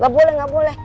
gak boleh gak boleh